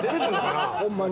ホンマに。